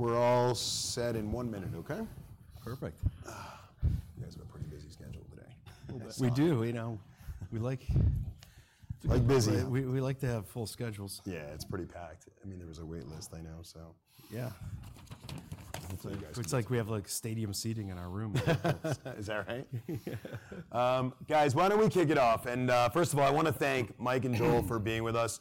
We're all set in one minute, okay? Perfect. You guys have a pretty busy schedule today. Well, that's- We do, you know. We like- Like busy. We like to have full schedules. Yeah, it's pretty packed. I mean, there was a wait list, I know, so... Yeah. Hopefully, you guys can- It's like we have, like, stadium seating in our room. Is that right? Yeah. Guys, why don't we kick it off? First of all, I wanna thank Mike and Joel for being with us.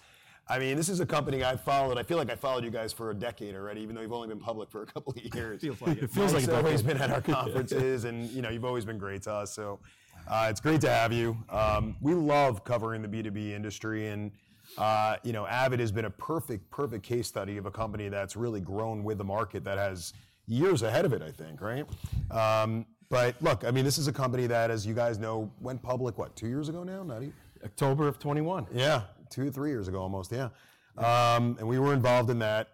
I mean, this is a company I've followed. I feel like I've followed you guys for a decade already, even though you've only been public for a couple of years. Feels like it. It feels like a decade. You've always been at our conferences, and, you know, you've always been great to us, so, it's great to have you. We love covering the B2B industry, and, you know, Avid has been a perfect, perfect case study of a company that's really grown with the market, that has years ahead of it, I think, right? But look, I mean, this is a company that, as you guys know, went public, what, two years ago now, maybe? October of 2021. Yeah, 2, 3 years ago almost, yeah. And we were involved in that.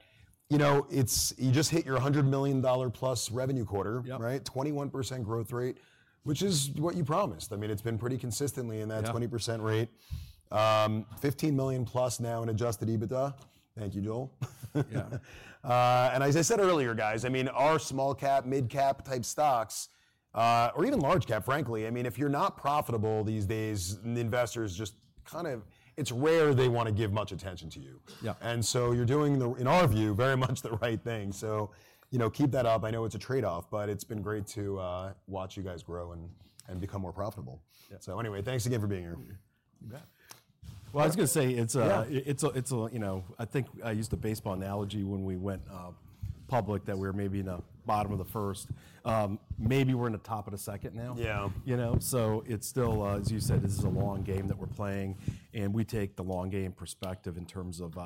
You know, it's... You just hit your $100 million+ revenue quarter- Yep... right? 21% growth rate, which is what you promised. I mean, it's been pretty consistently in that- Yep 20% rate. $15 million plus now in adjusted EBITDA. Thank you, Joel. Yeah. As I said earlier, guys, I mean, our small-cap, mid-cap type stocks, or even large cap, frankly, I mean, if you're not profitable these days, the investors just kind of, it's rare they wanna give much attention to you. Yeah. And so you're doing the, in our view, very much the right thing. So, you know, keep that up. I know it's a trade-off, but it's been great to watch you guys grow and become more profitable. Yeah. So anyway, thanks again for being here. You bet. Well, I was gonna say, it's a- Yeah... it's a, you know, I think I used the baseball analogy when we went public, that we were maybe in the bottom of the first. Maybe we're in the top of the second now. Yeah. You know, so it's still, as you said, this is a long game that we're playing, and we take the long-game perspective in terms of,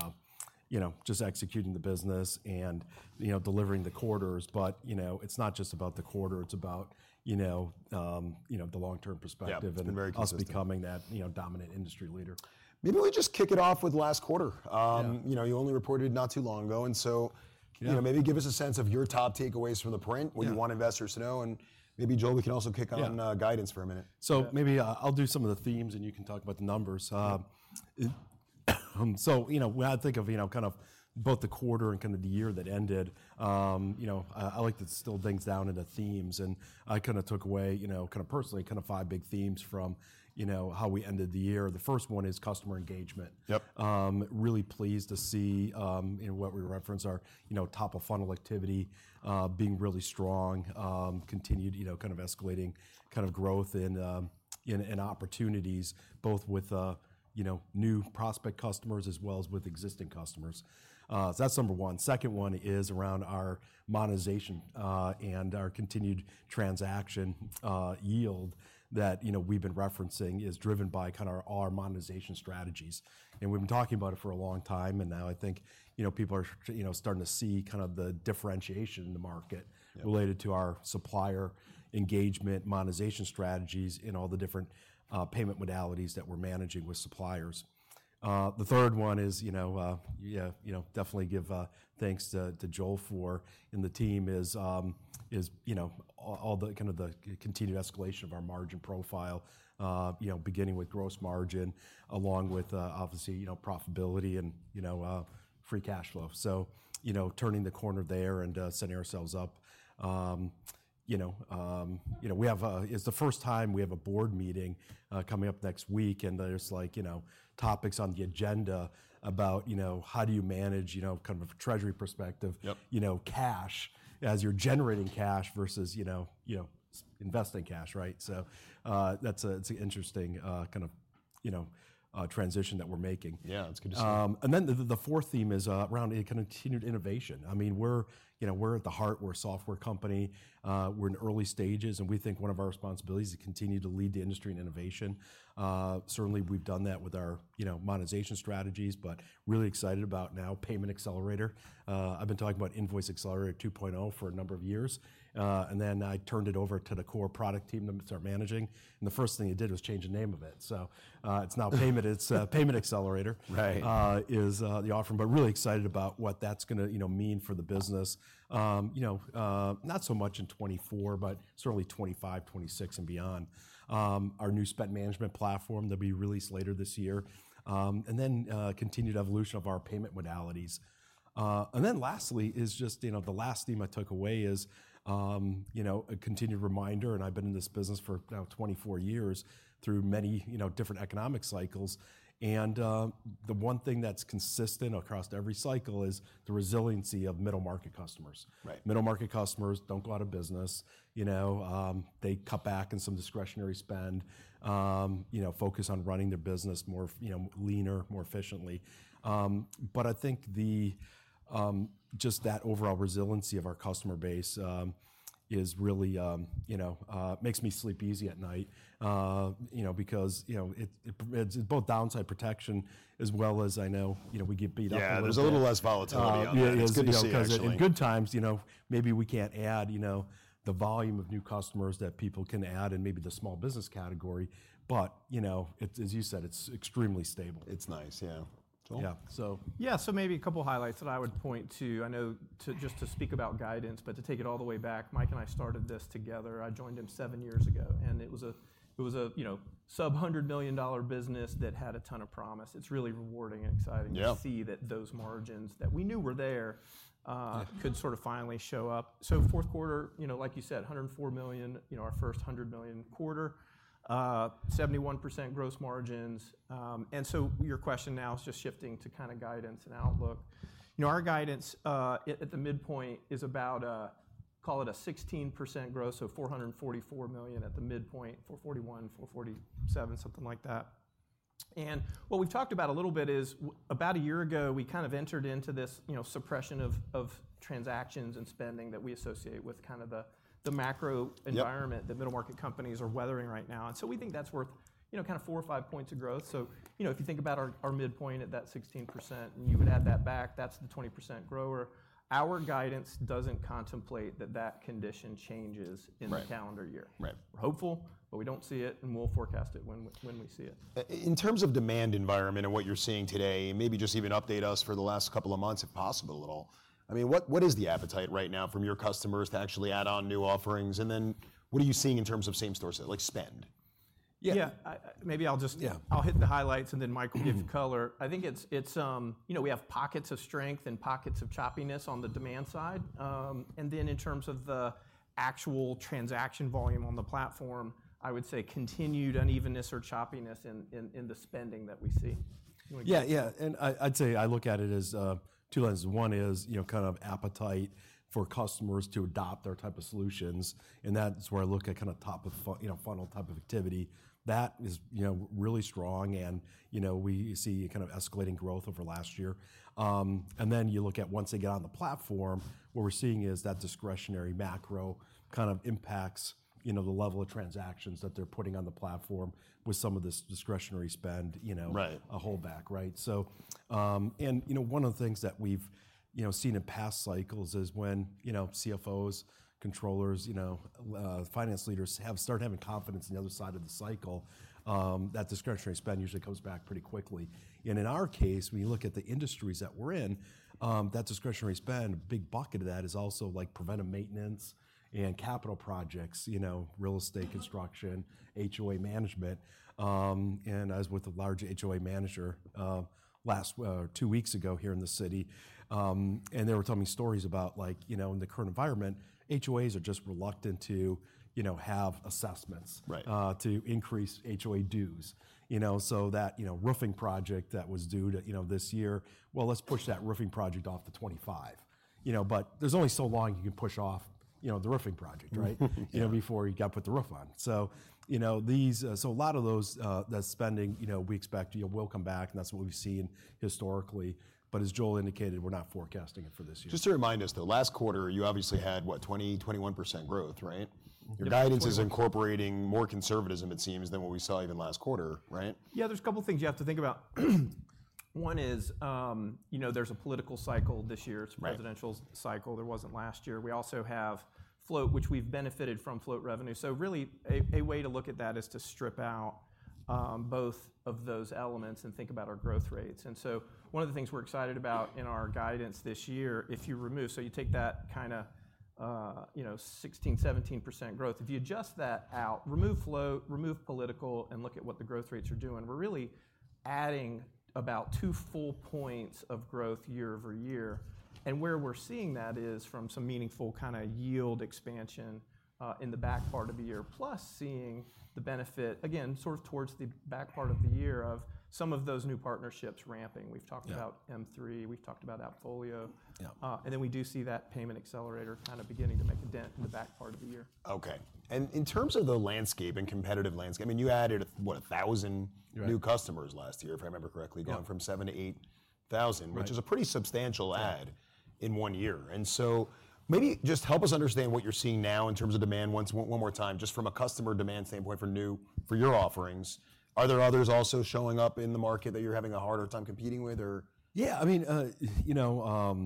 you know, just executing the business and, you know, delivering the quarters. But, you know, it's not just about the quarter; it's about, you know, you know, the long-term perspective- Yeah, it's been very consistent.... and us becoming that, you know, dominant industry leader. Maybe we just kick it off with last quarter. Yeah... you know, you only reported not too long ago, and so- Yeah ... you know, maybe give us a sense of your top takeaways from the print- Yeah... what you want investors to know, and maybe, Joel, we can also kick on- Yeah... guidance for a minute. So maybe I'll do some of the themes, and you can talk about the numbers. You know, when I think of, you know, kind of both the quarter and kind of the year that ended, you know, I like to distill things down into themes. I kinda took away, you know, kind of personally, kind of five big themes from, you know, how we ended the year. The first one is customer engagement. Yep. Really pleased to see, you know, what we reference our, you know, top-of-funnel activity, being really strong. Continued, you know, kind of escalating kind of growth and opportunities both with, you know, new prospect customers as well as with existing customers. So that's number one. Second one is around our monetization, and our continued transaction yield that, you know, we've been referencing is driven by kinda our monetization strategies. And we've been talking about it for a long time, and now I think, you know, people are, you know, starting to see kind of the differentiation in the market- Yeah... related to our supplier engagement, monetization strategies, and all the different payment modalities that we're managing with suppliers. The third one is, you know, yeah, you know, definitely give thanks to Joel for, and the team is, you know, all the kind of the continued escalation of our margin profile. You know, beginning with gross margin, along with, obviously, you know, profitability and, you know, free cash flow. So, you know, turning the corner there and setting ourselves up, you know, you know, we have... It's the first time we have a board meeting coming up next week, and there's, like, you know, topics on the agenda about, you know, how do you manage, you know, kind of a treasury perspective- Yep... you know, cash, as you're generating cash versus, you know, investing cash, right? So, that's, it's an interesting kind of, you know, transition that we're making. Yeah, it's good to see. And then the fourth theme is around kind of continued innovation. I mean, we're, you know, we're at the heart, we're a software company. We're in early stages, and we think one of our responsibilities is to continue to lead the industry in innovation. Certainly, we've done that with our, you know, monetization strategies, but really excited about now Payment Accelerator. I've been talking about Invoice Accelerator 2.0 for a number of years, and then I turned it over to the core product team to start managing, and the first thing it did was change the name of it. So, it's now Payment Accelerator. Right... is the offering. But really excited about what that's gonna, you know, mean for the business. You know, not so much in 2024, but certainly 2025, 2026, and beyond. Our new spend management platform that'll be released later this year, and then continued evolution of our payment modalities. And then lastly is just, you know, the last theme I took away is, you know, a continued reminder, and I've been in this business for now 24 years, through many, you know, different economic cycles, and the one thing that's consistent across every cycle is the resiliency of middle-market customers. Right. Market customers don't go out of business. You know, they cut back on some discretionary spend, you know, focus on running their business more you know, leaner, more efficiently. But I think the, just that overall resiliency of our customer base, is really, you know, makes me sleep easy at night. You know, because, you know, it, it, it's both downside protection as well as I know, you know, we get beat up a little bit. Yeah, there's a little less volatility. Um, yeah. It's good to see, actually. 'Cause in good times, you know, maybe we can't add, you know, the volume of new customers that people can add in maybe the small business category, but, you know, it's as you said, it's extremely stable. It's nice, yeah... Yeah, so. Yeah, so maybe a couple highlights that I would point to. I know, too, just to speak about guidance, but to take it all the way back, Mike and I started this together. I joined him seven years ago, and it was a, you know, sub-$100 million business that had a ton of promise. It's really rewarding and exciting- Yeah. -to see that those margins that we knew were there could sort of finally show up. So fourth quarter, you know, like you said, $104 million, you know, our first $100 million quarter, 71% gross margins. And so your question now is just shifting to kinda guidance and outlook. You know, our guidance at the midpoint is about call it a 16% growth, so $444 million at the midpoint, $441-$447, something like that. And what we've talked about a little bit is about a year ago, we kind of entered into this, you know, suppression of transactions and spending that we associate with kind of the macro environment- Yep... that middle-market companies are weathering right now. And so we think that's worth, you know, kind of 4 or 5 points of growth. So, you know, if you think about our, our midpoint at that 16%, and you would add that back, that's the 20% grower. Our guidance doesn't contemplate that that condition changes- Right... in the calendar year. Right. We're hopeful, but we don't see it, and we'll forecast it when we, when we see it. In terms of demand environment and what you're seeing today, and maybe just even update us for the last couple of months, if possible, at all. I mean, what, what is the appetite right now from your customers to actually add on new offerings? And then, what are you seeing in terms of same-store sales, like, spend? Yeah. Yeah, I... Maybe I'll just- Yeah. I'll hit the highlights, and then Mike will give color. I think it's... You know, we have pockets of strength and pockets of choppiness on the demand side. And then in terms of the actual transaction volume on the platform, I would say continued unevenness or choppiness in the spending that we see. You want to go? Yeah, yeah, and I'd say I look at it as two lenses. One is, you know, kind of appetite for customers to adopt our type of solutions, and that's where I look at kind of top-of-funnel, you know, type of activity. That is, you know, really strong, and, you know, we see a kind of escalating growth over last year. And then you look at once they get on the platform, what we're seeing is that discretionary macro kind of impacts, you know, the level of transactions that they're putting on the platform with some of this discretionary spend, you know- Right... a holdback, right? So, you know, one of the things that we've, you know, seen in past cycles is when, you know, CFOs, controllers, you know, finance leaders have started having confidence in the other side of the cycle, that discretionary spend usually comes back pretty quickly. And in our case, when you look at the industries that we're in, that discretionary spend, a big bucket of that is also, like, preventive maintenance and capital projects, you know, real estate construction, HOA management. And I was with a large HOA manager, last two weeks ago here in the city, and they were telling me stories about, like, you know, in the current environment, HOAs are just reluctant to, you know, have assessments- Right... to increase HOA dues. You know, so that, you know, roofing project that was due to, you know, this year, well, let's push that roofing project off to 2025. You know, but there's only so long you can push off, you know, the roofing project, right? You know, before you gotta put the roof on. So, you know, these... So a lot of those, that spending, you know, we expect, you know, will come back, and that's what we've seen historically. But as Joel indicated, we're not forecasting it for this year. Just to remind us, though, last quarter, you obviously had, what, 21% growth, right? Mm-hmm. Your guidance is incorporating more conservatism, it seems, than what we saw even last quarter, right? Yeah, there's a couple things you have to think about. One is, you know, there's a political cycle this year. Right. It's a presidential cycle. There wasn't last year. We also have float, which we've benefited from float revenue. So really, a way to look at that is to strip out both of those elements and think about our growth rates. And so one of the things we're excited about in our guidance this year, if you remove... So you take that kinda, you know, 16%-17% growth, if you adjust that out, remove float, remove political, and look at what the growth rates are doing, we're really adding about two full points of growth year-over-year. And where we're seeing that is from some meaningful kinda yield expansion in the back part of the year. Plus, seeing the benefit, again, sort of towards the back part of the year, of some of those new partnerships ramping. Yeah. We've talked about M3, we've talked about AppFolio. Yeah. We do see that Payment Accelerator kind of beginning to make a dent in the back part of the year. Okay. In terms of the landscape and competitive landscape, I mean, you added, what, 1,000- Right... new customers last year, if I remember correctly. Yeah. Going from 7 to 8 thousand- Right... which is a pretty substantial add- Yeah... in one year. And so maybe just help us understand what you're seeing now in terms of demand, once, one more time, just from a customer demand standpoint for new, for your offerings. Are there others also showing up in the market that you're having a harder time competing with, or? Yeah, I mean, you know,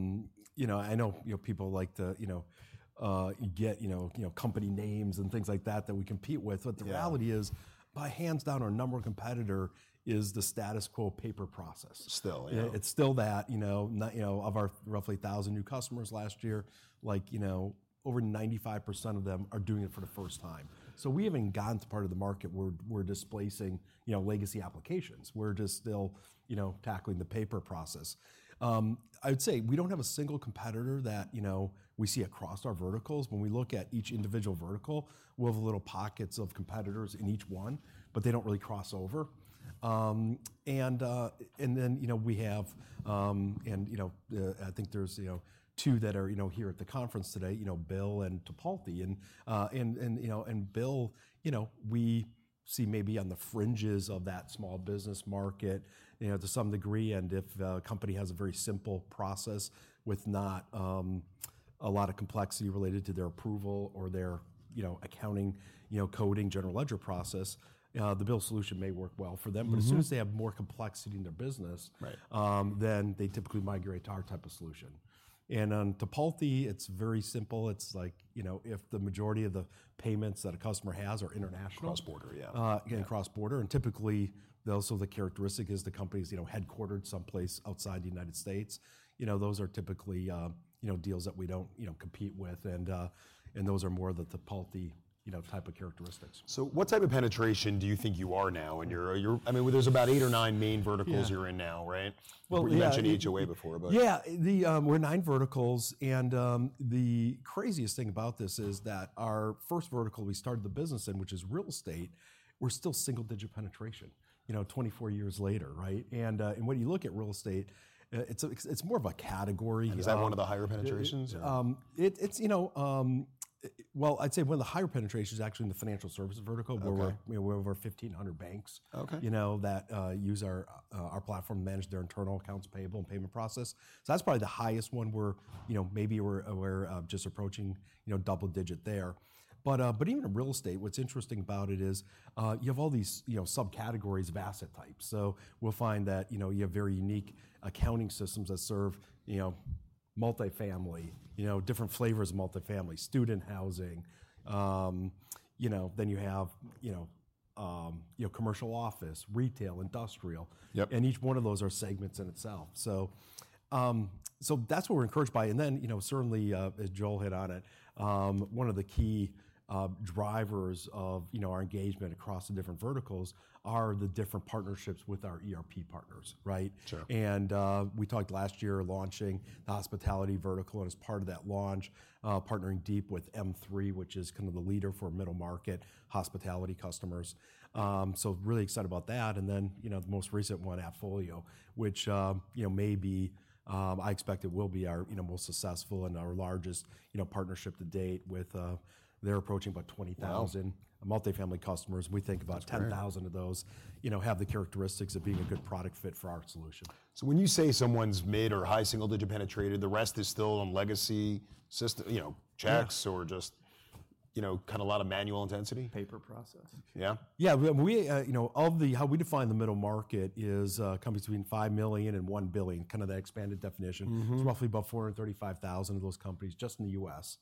you know, I know, you know, people like to, you know, get, you know, company names and things like that, that we compete with. Yeah. But the reality is, hands down, our number one competitor is the status quo paper process. Still, yeah. It's still that, you know? Not, you know, of our roughly 1,000 new customers last year, like, you know, over 95% of them are doing it for the first time. So we haven't even gotten to the part of the market where we're displacing, you know, legacy applications. We're just still, you know, tackling the paper process. I'd say we don't have a single competitor that, you know, we see across our verticals. When we look at each individual vertical, we'll have little pockets of competitors in each one, but they don't really cross over. And then, you know, we have... And, you know, I think there's, you know, 2 that are, you know, here at the conference today, you know, BILL and Tipalti. And, you know, and BILL, you know, we see maybe on the fringes of that small business market, you know, to some degree, and if a company has a very simple process with not a lot of complexity related to their approval or their, you know, accounting, you know, coding, general ledger process, the BILL solution may work well for them. Mm-hmm. As soon as they have more complexity in their business- Right. Then they typically migrate to our type of solution. And on Tipalti, it's very simple. It's like, you know, if the majority of the payments that a customer has are international- Cross-border, yeah. again, cross-border. Yeah. Typically, also the characteristic is the company's, you know, headquartered someplace outside the United States. You know, those are typically, you know, deals that we don't, you know, compete with, and those are more of the Tipalti, you know, type of characteristics. So what type of penetration do you think you are now in your... I mean, well, there's about 8 or 9 main verticals- Yeah You're in now, right? Well, yeah. You mentioned HOA before, but- Yeah, we're nine verticals, and the craziest thing about this is that our first vertical we started the business in, which is real estate, we're still single-digit penetration, you know, 24 years later, right? And when you look at real estate, it's more of a category than- Is that one of the higher penetrations, or? Well, I'd say one of the higher penetrations is actually in the financial services vertical. Okay. Where we're, you know, we're over 1,500 banks- Okay... you know, that use our, our platform to manage their internal accounts payable and payment process. So that's probably the highest one where, you know, maybe we're, we're just approaching, you know, double digit there. But even in real estate, what's interesting about it is you have all these, you know, subcategories of asset types. So we'll find that, you know, you have very unique accounting systems that serve, you know, multifamily, you know, different flavors of multifamily, student housing, you know. Then you have, you know, commercial office, retail, industrial. Yep. Each one of those are segments in itself. So, so that's what we're encouraged by, and then, you know, certainly, as Joel hit on it, one of the key drivers of, you know, our engagement across the different verticals are the different partnerships with our ERP partners, right? Sure. We talked last year launching the hospitality vertical, and as part of that launch, partnering deep with M3, which is kind of the leader for middle-market hospitality customers. So really excited about that, and then, you know, the most recent one, AppFolio, which, you know, may be... I expect it will be our, you know, most successful and our largest, you know, partnership to date with, they're approaching about 20,000- Wow! -multifamily customers. That's great. We think about 10,000 of those, you know, have the characteristics of being a good product fit for our solution. So when you say someone's mid- or high single-digit penetrator, the rest is still on legacy syst- you know, checks- Yeah or just, you know, kind of a lot of manual intensity? Paper process. Yeah? Yeah, we, you know, of the, how we define the middle market is, companies between $5 million and $1 billion, kind of the expanded definition. Mm-hmm. There's roughly about 435,000 of those companies just in the U.S.,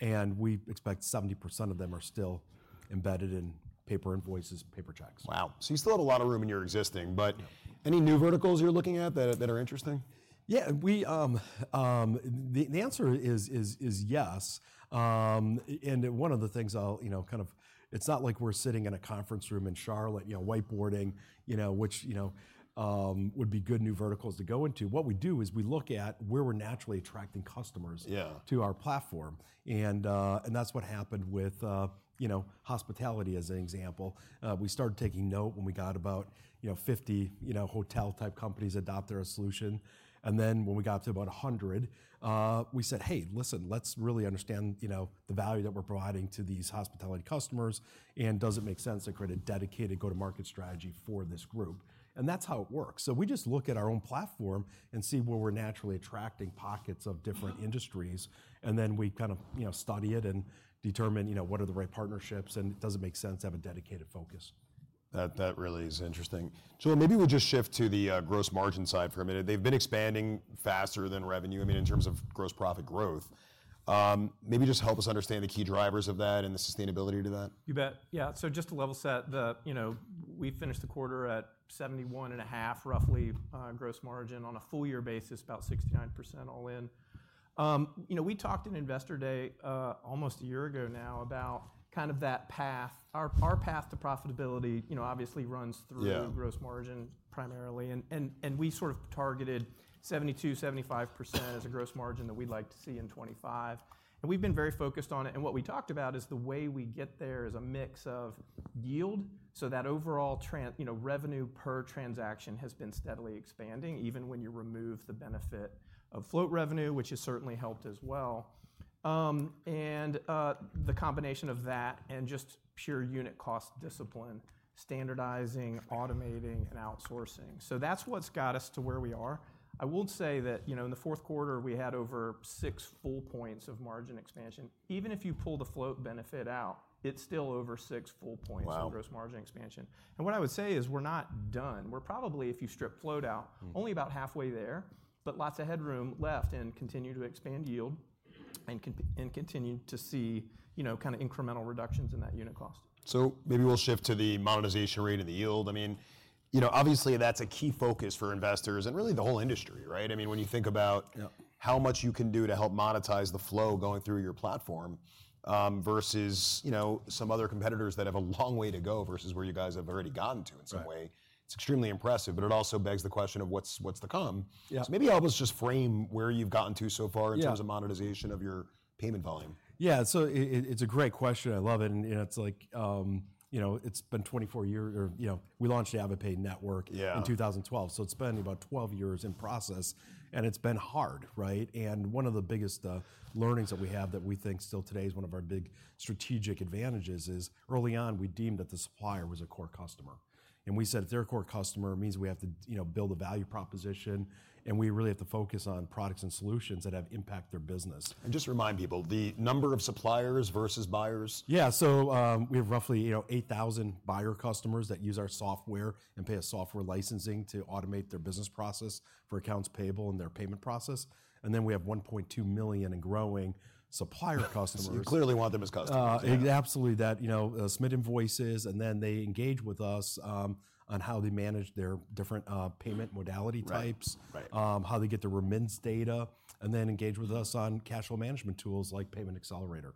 and we expect 70% of them are still embedded in paper invoices and paper checks. Wow! So you still have a lot of room in your existing, but- Yeah... any new verticals you're looking at that are, that are interesting? Yeah, we... The answer is yes. And one of the things I'll, you know, kind of... It's not like we're sitting in a conference room in Charlotte, you know, whiteboarding, you know, which, you know, would be good new verticals to go into. What we do is we look at where we're naturally attracting customers- Yeah... to our platform, and, and that's what happened with, you know, hospitality as an example. We started taking note when we got about, you know, 50, you know, hotel-type companies adopt our solution. And then when we got to about 100, we said, "Hey, listen, let's really understand, you know, the value that we're providing to these hospitality customers, and does it make sense to create a dedicated go-to-market strategy for this group?" And that's how it works. So we just look at our own platform and see where we're naturally attracting pockets of different industries, and then we kind of, you know, study it and determine, you know, what are the right partnerships, and does it make sense to have a dedicated focus. That, that really is interesting. Joel, maybe we'll just shift to the gross margin side for a minute. They've been expanding faster than revenue, I mean, in terms of gross profit growth. Maybe just help us understand the key drivers of that and the sustainability to that. You bet. Yeah, so just to level set the, you know, we finished the quarter at 71.5, roughly, gross margin on a full year basis, about 69% all in. You know, we talked in Investor Day, almost a year ago now, about kind of that path. Our path to profitability, you know, obviously runs through- Yeah... gross margin primarily, and we sort of targeted 72%-75% as a gross margin that we'd like to see in 2025. And we've been very focused on it, and what we talked about is the way we get there is a mix of yield, so that overall transaction you know, revenue per transaction has been steadily expanding, even when you remove the benefit of float revenue, which has certainly helped as well. The combination of that and just pure unit cost discipline, standardizing, automating, and outsourcing. So that's what's got us to where we are. I would say that, you know, in the fourth quarter, we had over six full points of margin expansion. Even if you pull the float benefit out, it's still over six full points- Wow! In gross margin expansion. And what I would say is we're not done. We're probably, if you strip float out- Mm... only about halfway there, but lots of headroom left and continue to expand yield, and continue to see, you know, kind of incremental reductions in that unit cost. So maybe we'll shift to the monetization rate and the yield. I mean, you know, obviously, that's a key focus for investors and really the whole industry, right? I mean, when you think about- Yeah... how much you can do to help monetize the flow going through your platform, versus, you know, some other competitors that have a long way to go, versus where you guys have already gotten to in some way. Right. It's extremely impressive, but it also begs the question of what's to come? Yeah. So maybe help us just frame where you've gotten to so far- Yeah... in terms of monetization of your payment volume. Yeah, so it's a great question. I love it, and, you know, it's like, you know, it's been 24 years, or, you know, we launched the AvidPay Network- Yeah... in 2012. So it's been about 12 years in process, and it's been hard, right? And one of the biggest, learnings that we have that we think still today is one of our big strategic advantages is, early on, we deemed that the supplier was a core customer. And we said, "If they're a core customer, it means we have to, you know, build a value proposition, and we really have to focus on products and solutions that have impact their business. Just remind people, the number of suppliers versus buyers. Yeah, so, we have roughly, you know, 8,000 buyer customers that use our software and pay us software licensing to automate their business process for accounts payable and their payment process. And then we have 1.2 million and growing supplier customers. You clearly want them as customers. Absolutely, you know, submit invoices, and then they engage with us on how they manage their different payment modality types. Right, right. How they get the remittance data, and then engage with us on cash flow management tools, like Payment Accelerator.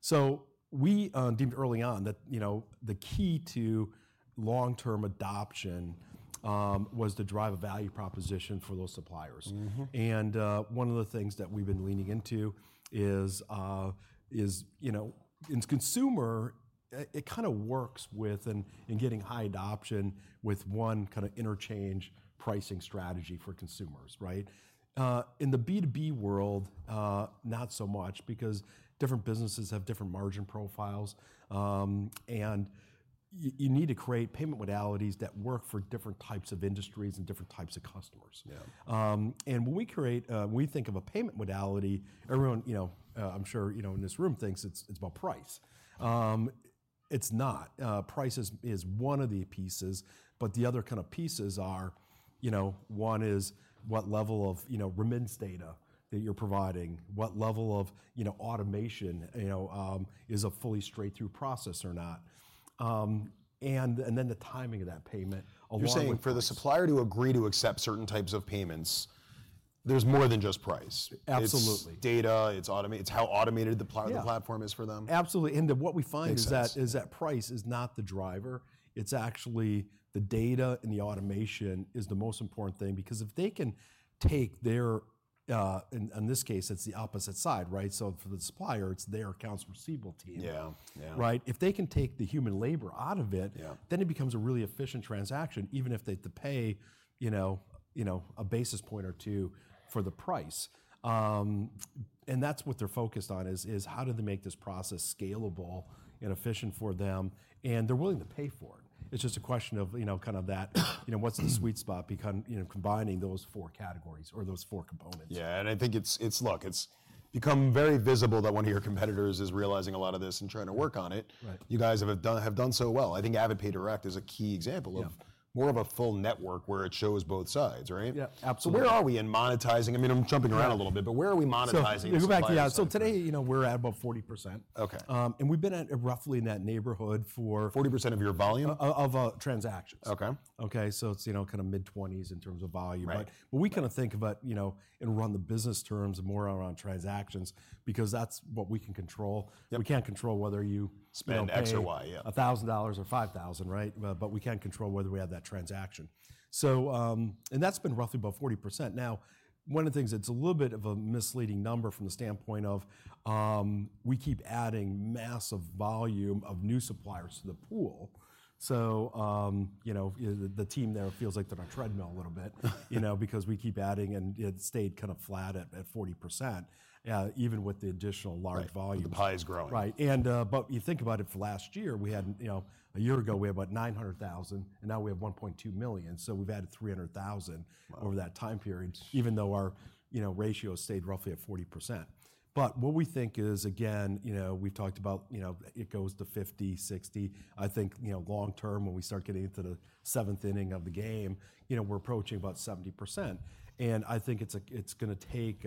So we deemed early on that, you know, the key to long-term adoption was to drive a value proposition for those suppliers. Mm-hmm. One of the things that we've been leaning into is, you know, in consumer, it kind of works with in getting high adoption with one kind of interchange pricing strategy for consumers, right? In the B2B world, not so much, because different businesses have different margin profiles. And you need to create payment modalities that work for different types of industries and different types of customers. Yeah. And when we think of a payment modality, everyone, you know, I'm sure, you know, in this room thinks it's, it's about price. It's not. Price is one of the pieces, but the other kind of pieces are, you know, one is what level of, you know, remittance data that you're providing? What level of, you know, automation, you know, is it fully straight-through process or not? And then the timing of that payment along with- You're saying for the supplier to agree to accept certain types of payments, there's more than just price. Absolutely. It's data. It's how automated the pla- Yeah... the platform is for them. Absolutely, and then what we find- Makes sense... is that, is that price is not the driver. It's actually the data and the automation is the most important thing. Because if they can take their, In, in this case, it's the opposite side, right? So for the supplier, it's their accounts receivable team. Yeah. Yeah. Right? If they can take the human labor out of it- Yeah... then it becomes a really efficient transaction, even if they have to pay, you know, you know, a basis point or two for the price. And that's what they're focused on is how do they make this process scalable and efficient for them, and they're willing to pay for it. It's just a question of, you know, kind of that. You know, what's the sweet spot become, you know, combining those four categories or those four components? Yeah, and I think it's... Look, it's become very visible that one of your competitors is realizing a lot of this and trying to work on it. Right. You guys have done so well. I think AvidPay Direct is a key example of- Yeah ... more of a full network where it shows both sides, right? Yeah, absolutely. Where are we in monetizing? I mean, I'm jumping around a little bit, but where are we monetizing the supplier? Yeah, so today, you know, we're at about 40%. Okay. We've been at, roughly in that neighborhood for- 40% of your volume? Of transactions. Okay. Okay, so it's, you know, kind of mid-20s in terms of volume. Right. What we kinda think about, you know, and run the business terms more around transactions, because that's what we can control. Yep. We can't control whether you spend- X or Y, yeah.... $1,000 or $5,000, right? But, but we can control whether we have that transaction. So, and that's been roughly about 40%. Now, one of the things that's a little bit of a misleading number from the standpoint of, we keep adding massive volume of new suppliers to the pool. So, you know, the team there feels like they're on a treadmill a little bit, you know, because we keep adding, and it stayed kind of flat at 40%, even with the additional large volume. But the pie is growing. Right, and, but you think about it for last year, we had, you know, a year ago, we had about 900,000, and now we have 1.2 million, so we've added 300,000- Wow... over that time period, even though our, you know, ratio stayed roughly at 40%. But what we think is, again, you know, we've talked about, you know, it goes to 50, 60. I think, you know, long term, when we start getting into the 7th inning of the game, you know, we're approaching about 70%. And I think it's a, it's gonna take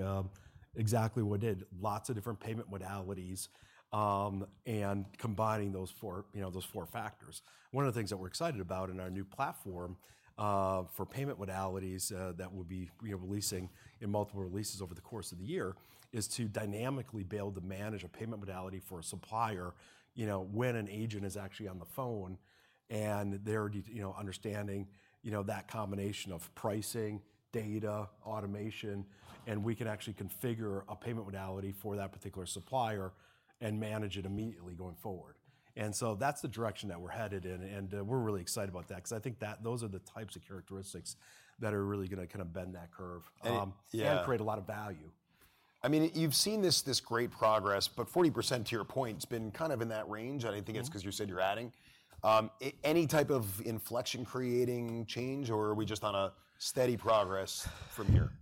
exactly what it did, lots of different payment modalities, and combining those four, you know, those four factors. One of the things that we're excited about in our new platform for payment modalities that we'll be releasing in multiple releases over the course of the year is to dynamically be able to manage a payment modality for a supplier, you know, when an agent is actually on the phone, and they're you know, understanding you know, that combination of pricing, data, automation. And we can actually configure a payment modality for that particular supplier and manage it immediately going forward. And so that's the direction that we're headed in, and we're really excited about that, 'cause I think that those are the types of characteristics that are really gonna kinda bend that curve. And, yeah. Create a lot of value. I mean, you've seen this, this great progress, but 40%, to your point, has been kind of in that range, and I think it's- Mm... 'cause you said you're adding. Any type of inflection-creating change, or are we just on a steady progress from here?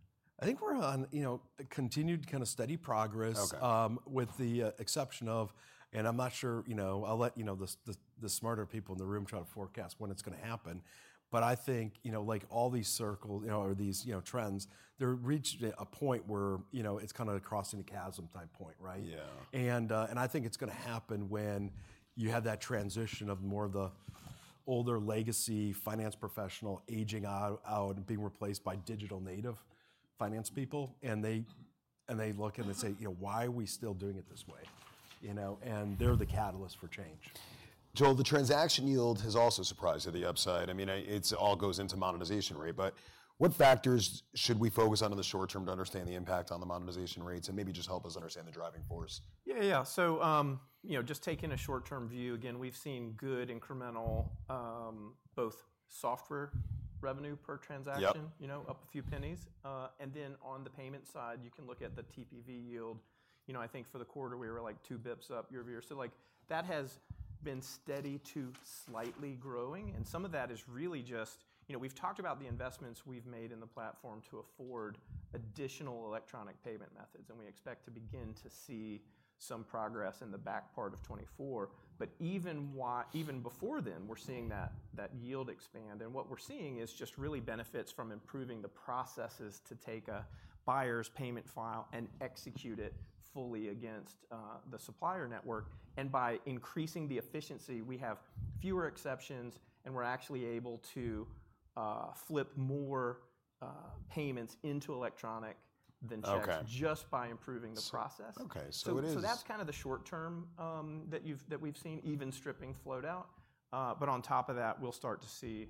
I think we're on, you know, a continued kind of steady progress- Okay... with the exception of, and I'm not sure, you know, I'll let you know, the smarter people in the room try to forecast when it's gonna happen. But I think, you know, like all these circle, you know, or these, you know, trends, they're reached a point where, you know, it's kind of crossing a chasm type point, right? Yeah. I think it's gonna happen when you have that transition of more of the older legacy finance professional aging out and being replaced by digital-native finance people, and they look and they say, "You know, why are we still doing it this way?" You know, and they're the catalyst for change. Joel, the transaction yield has also surprised to the upside. I mean, it's all goes into monetization, right? But what factors should we focus on in the short term to understand the impact on the monetization rates and maybe just help us understand the driving force? Yeah, yeah, so, you know, just taking a short-term view, again, we've seen good incremental, both software revenue per transaction- Yep... you know, up a few pennies. And then on the payment side, you can look at the TPV yield. You know, I think for the quarter, we were, like, 2 basis points up year-over-year, so, like, that has been steady to slightly growing, and some of that is really just... You know, we've talked about the investments we've made in the platform to afford additional electronic payment methods, and we expect to begin to see some progress in the back part of 2024. But even before then, we're seeing that yield expand, and what we're seeing is just really benefits from improving the processes to take a buyer's payment file and execute it fully against the supplier network. And by increasing the efficiency, we have fewer exceptions, and we're actually able to flip more payments into electronic than checks- Okay... just by improving the process. Okay, so it is- So that's kind of the short term that we've seen, even stripping float out. But on top of that, we'll start to see,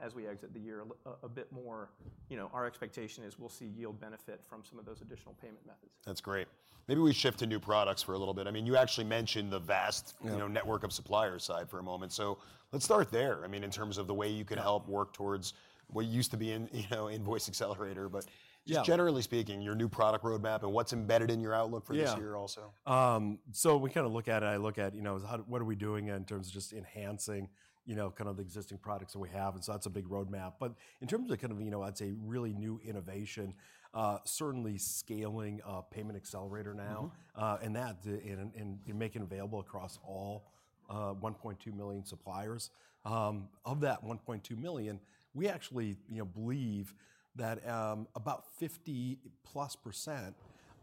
as we exit the year a bit more, you know, our expectation is we'll see yield benefit from some of those additional payment methods. That's great... maybe we shift to new products for a little bit. I mean, you actually mentioned the vast- Yeah -you know, network of suppliers side for a moment, so let's start there, I mean, in terms of the way you can help work towards what used to be in, you know, Invoice Accelerator, but- Yeah Just generally speaking, your new product roadmap and what's embedded in your outlook for this year also. Yeah. So we kinda look at it, I look at, you know, so how, what are we doing in terms of just enhancing, you know, kind of the existing products that we have, and so that's a big roadmap. But in terms of kind of, you know, I'd say, really new innovation, certainly scaling Payment Accelerator now. Mm-hmm. And that and make it available across all 1.2 million suppliers. Of that 1.2 million, we actually, you know, believe that about +50%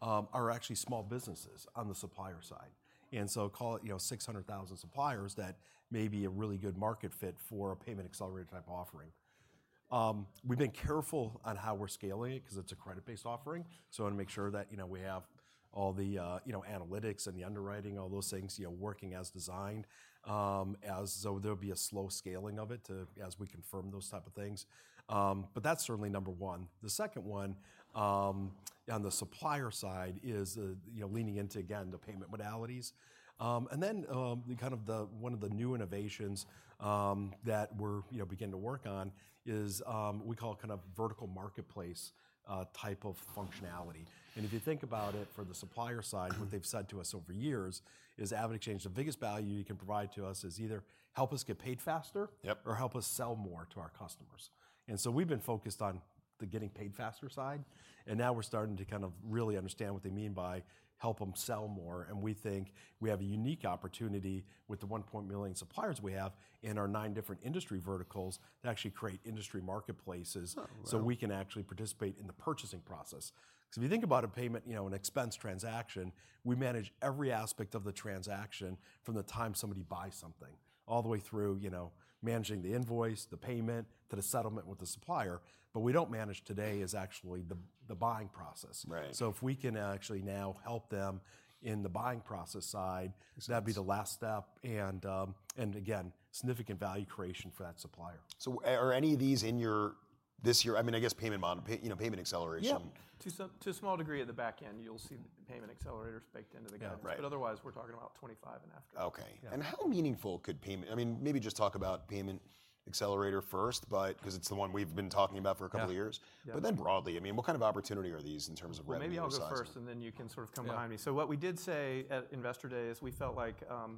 are actually small businesses on the supplier side. And so call it, you know, 600,000 suppliers that may be a really good market fit for a Payment Accelerator-type offering. We've been careful on how we're scaling it, 'cause it's a credit-based offering, so wanna make sure that, you know, we have all the, you know, analytics and the underwriting, all those things, you know, working as designed. So there'll be a slow scaling of it to... as we confirm those type of things. But that's certainly number one. The second one on the supplier side is, you know, leaning into, again, the payment modalities. Then, one of the new innovations that we're, you know, beginning to work on is, we call it kind of vertical marketplace type of functionality. And if you think about it from the supplier side, what they've said to us over years is, "AvidXchange, the biggest value you can provide to us is either help us get paid faster- Yep or help us sell more to our customers." And so we've been focused on the getting paid faster side, and now we're starting to kind of really understand what they mean by help them sell more, and we think we have a unique opportunity with the 1.1 million suppliers we have in our nine different industry verticals to actually create industry marketplaces- Oh, wow! So we can actually participate in the purchasing process. 'Cause if you think about a payment, you know, an expense transaction, we manage every aspect of the transaction from the time somebody buys something, all the way through, you know, managing the invoice, the payment, to the settlement with the supplier. What we don't manage today is actually the buying process. Right. So if we can actually now help them in the buying process side- Exactly -that'd be the last step, and, and again, significant value creation for that supplier. So, are any of these in your, this year... I mean, I guess payment model, pay, you know, payment acceleration. Yeah. To some, to a small degree at the back end, you'll see the Payment Accelerator baked into the guidance. Yeah, right. Otherwise, we're talking about 2025 and after. Okay. Yeah. How meaningful could payment... I mean, maybe just talk about Payment Accelerator first, but, 'cause it's the one we've been talking about for a couple of years. Yeah, yeah. But then broadly, I mean, what kind of opportunity are these in terms of revenue size? Well, maybe I'll go first, and then you can sort of come behind me. Yeah. So what we did say at Investor Day is we felt like,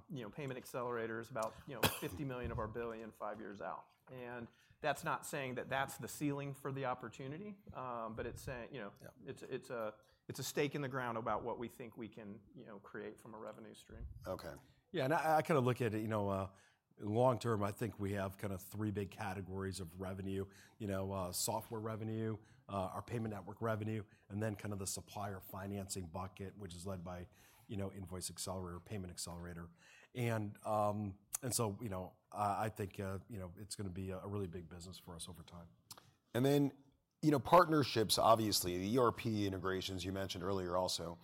you know, Payment Accelerator is about $50 million of our $1.5 billion five years out. And that's not saying that that's the ceiling for the opportunity, but it's saying, you know- Yeah... it's a stake in the ground about what we think we can, you know, create from a revenue stream. Okay. Yeah, and I kinda look at it, you know, long term. I think we have kind of three big categories of revenue. You know, software revenue, our payment network revenue, and then kind of the supplier financing bucket, which is led by, you know, Invoice Accelerator, Payment Accelerator. And, and so, you know, I think, you know, it's gonna be a really big business for us over time. You know, partnerships, obviously, the ERP integrations you mentioned earlier also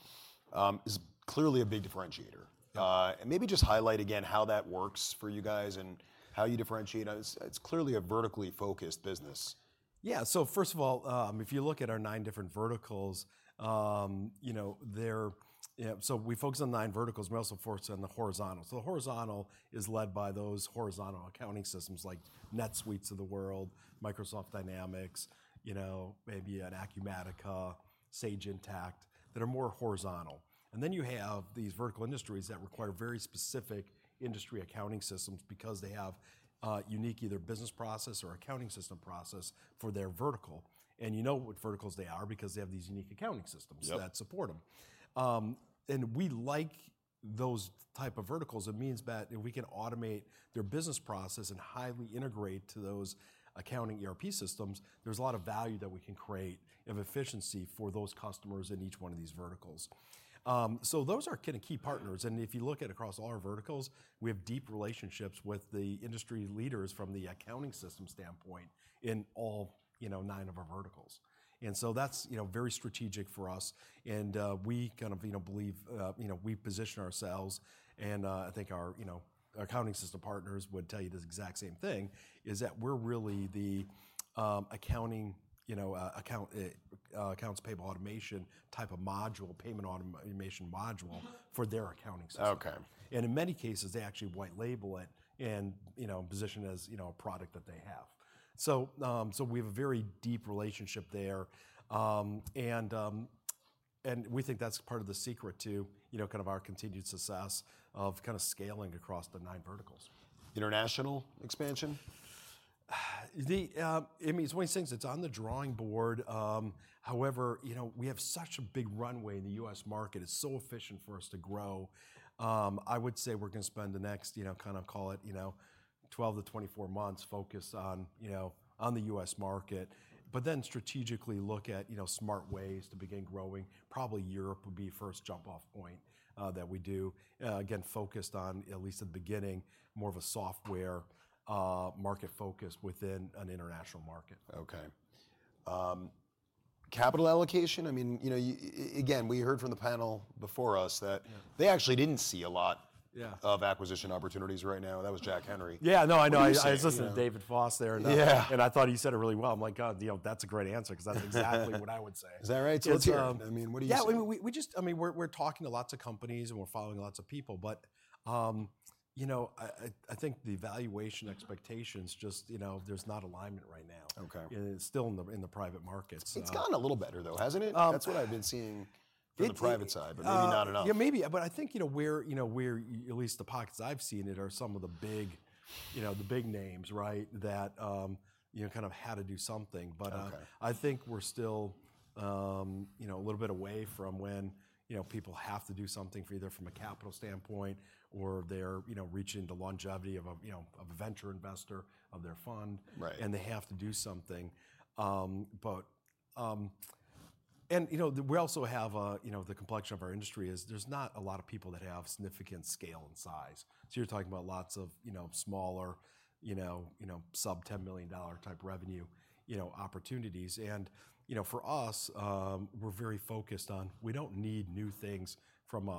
is clearly a big differentiator. Yeah. Maybe just highlight again how that works for you guys and how you differentiate. It's clearly a vertically focused business. Yeah, so first of all, if you look at our nine different verticals, you know, they're... Yeah, so we focus on the nine verticals, but we also focus on the horizontal. So the horizontal is led by those horizontal accounting systems like NetSuite of the world, Microsoft Dynamics, you know, maybe an Acumatica, Sage Intacct, that are more horizontal. And then you have these vertical industries that require very specific industry accounting systems because they have unique either business process or accounting system process for their vertical, and you know what verticals they are because they have these unique accounting systems- Yep -that support them. And we like those type of verticals. It means that if we can automate their business process and highly integrate to those accounting ERP systems, there's a lot of value that we can create of efficiency for those customers in each one of these verticals. So those are kinda key partners, and if you look at across all our verticals, we have deep relationships with the industry leaders from the accounting system standpoint in all, you know, nine of our verticals. And so that's, you know, very strategic for us, and, we kind of, you know, believe, you know, we position ourselves, and, I think our, you know, our accounting system partners would tell you this exact same thing, is that we're really the, accounting, you know, account, accounts payable automation type of module, payment automation module for their accounting system. Okay. In many cases, they actually white label it and, you know, position it as, you know, a product that they have. So we have a very deep relationship there. And we think that's part of the secret to, you know, kind of our continued success of kinda scaling across the nine verticals. International expansion? I mean, it's one of these things, it's on the drawing board. However, you know, we have such a big runway in the U.S. market. It's so efficient for us to grow. I would say we're gonna spend the next, you know, kind of call it, you know, 12-24 months focused on, you know, on the U.S. market, but then strategically look at, you know, smart ways to begin growing. Probably Europe would be first jump-off point, that we do, again, focused on, at least at the beginning, more of a software, market focus within an international market. Okay. Capital allocation? I mean, you know, again, we heard from the panel before us that- Yeah They actually didn't see a lot of acquisition opportunities right now? That was Jack Henry. Yeah, no, I know. What do you say, you know? I was listening to David Foss there, and- Yeah. I thought he said it really well. I'm like, God, you know, that's a great answer 'cause that's exactly what I would say. Is that right? Let's hear it. So, um- I mean, what do you say? Yeah, we just, I mean, we're talking to lots of companies, and we're following lots of people, but, you know, I think the valuation expectations just, you know, there's not alignment right now. Okay. And it's still in the private markets. It's gotten a little better, though, hasn't it? Um- That's what I've been seeing- I think the- From the private side, but maybe not enough. Yeah, maybe, but I think, you know, where, you know, where at least the pockets I've seen it are some of the big, you know, the big names, right? That, you know, kind of had to do something. Okay. But, I think we're still, you know, a little bit away from when, you know, people have to do something, either from a capital standpoint, or they're, you know, reaching the longevity of a venture investor of their fund- Right... and they have to do something. You know, the complexion of our industry is there's not a lot of people that have significant scale and size. So you're talking about lots of, you know, smaller, you know, sub-$10 million-dollar type revenue, you know, opportunities. You know, for us, we're very focused on, we don't need new things from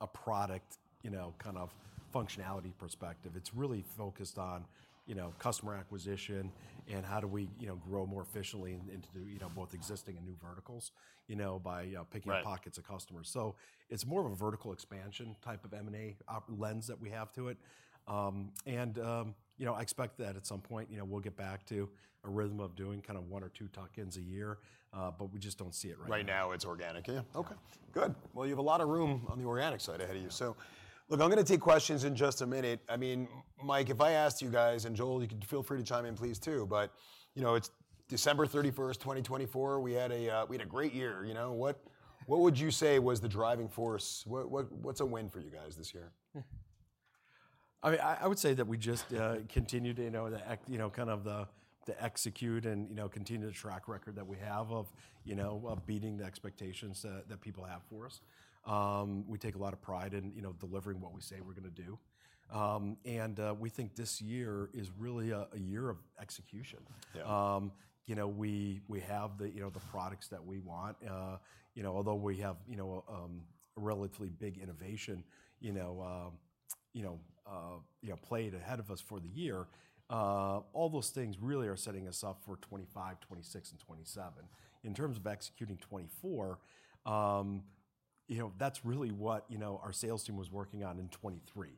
a product, you know, kind of functionality perspective. It's really focused on, you know, customer acquisition, and how do we, you know, grow more efficiently into the, you know, both existing and new verticals, you know, by, Right... picking the pockets of customers. So it's more of a vertical expansion type of M&A opportunity lens that we have to it. You know, I expect that at some point, you know, we'll get back to a rhythm of doing kind of one or two tuck-ins a year, but we just don't see it right now. Right now, it's organic. Yeah. Okay, good. Well, you have a lot of room on the organic side ahead of you. Yeah. So look, I'm gonna take questions in just a minute. I mean, Mike, if I asked you guys, and Joel, you can feel free to chime in please, too, but, you know, it's December 31st, 2024. We had a great year, you know. What, what would you say was the driving force? What, what, what's a win for you guys this year? Hmm. I mean, I would say that we just continued to, you know, execute and, you know, continue the track record that we have of, you know, beating the expectations that people have for us. We take a lot of pride in, you know, delivering what we say we're gonna do. And we think this year is really a year of execution. Yeah. You know, we have the, you know, the products that we want. You know, although we have, you know, a relatively big innovation, you know, you know, plate ahead of us for the year, all those things really are setting us up for 2025, 2026, and 2027. In terms of executing 2024, you know, that's really what, you know, our sales team was working on in 2023.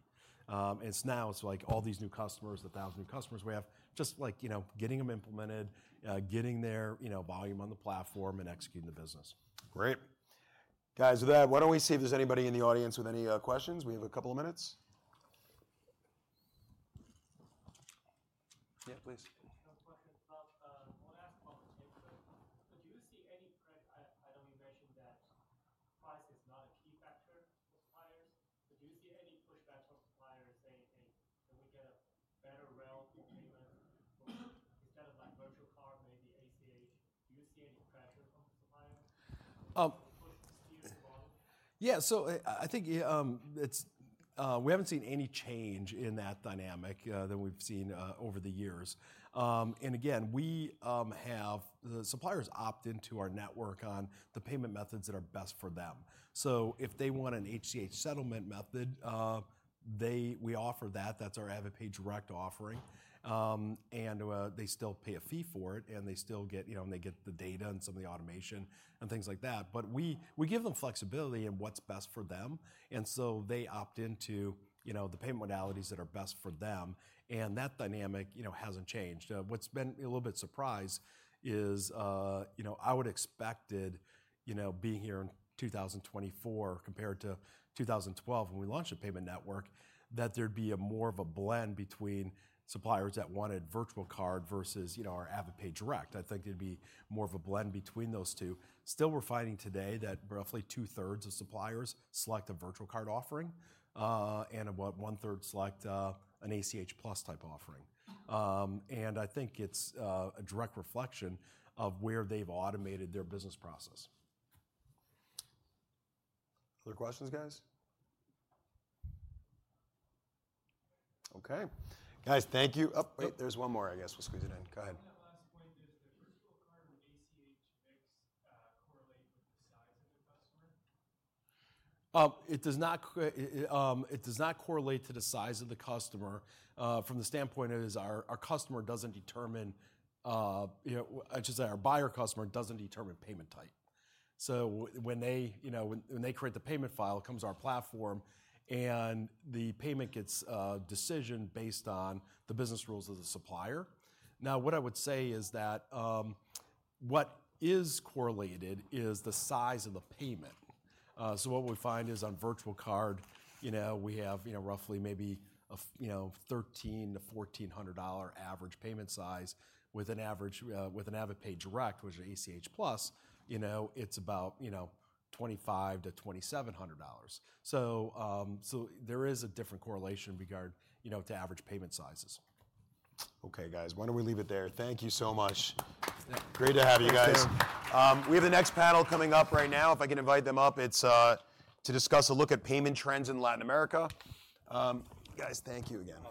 It's now, it's, like, all these new customers, the 1,000 new customers we have, just, like, you know, getting them implemented, getting their, you know, volume on the platform and executing the business. Great. Guys, with that, why don't we see if there's anybody in the audience with any questions? We have a couple of minutes. Yeah, please. I have a question about one aspect of the payment network. Do you see any current... I know you mentioned that price is not a key factor for suppliers. But do you see any pushback from suppliers saying, "Hey, can we get a better rate on payment—instead of, like, virtual card, maybe ACH?" Do you see any pressure from the suppliers? Um- -to push fees along? Yeah, so I think, yeah, it's... We haven't seen any change in that dynamic than we've seen over the years. And again, we have... The suppliers opt into our network on the payment methods that are best for them. So if they want an ACH settlement method, they, we offer that. That's our AvidPay Direct offering. And, they still pay a fee for it, and they still get, you know, and they get the data and some of the automation and things like that. But we give them flexibility in what's best for them, and so they opt into, you know, the payment modalities that are best for them, and that dynamic, you know, hasn't changed. What's been a little bit surprise is, you know, I would expected, you know, being here in 2024 compared to 2012, when we launched the payment network, that there'd be a more of a blend between suppliers that wanted virtual card versus, you know, our AvidPay Direct. I think it'd be more of a blend between those two. Still, we're finding today that roughly two-thirds of suppliers select a virtual card offering, and about one-third select an ACH Plus type offering. And I think it's a direct reflection of where they've automated their business process. Other questions, guys? Okay. Guys, thank you. Oh, wait, there's one more. I guess we'll squeeze it in. Go ahead. On that last point, does the virtual card and ACH mix correlate with the size of the customer? It does not correlate to the size of the customer. From the standpoint it is our customer doesn't determine, you know, I should say, our buyer customer doesn't determine payment type. So when they, you know, when they create the payment file, it comes to our platform, and the payment gets a decision based on the business rules of the supplier. Now, what I would say is that, what is correlated is the size of the payment. So what we find is, on virtual card, you know, we have, you know, roughly maybe you know, $1,300-$1,400 average payment size, with an average, with an AvidPay Direct, which is ACH Plus, you know, it's about, you know, $2,500-$2,700. There is a different correlation in regard, you know, to average payment sizes. Okay, guys, why don't we leave it there? Thank you so much. Thanks. Great to have you guys. Thank you. We have the next panel coming up right now. If I can invite them up, it's to discuss a look at payment trends in Latin America. Guys, thank you again.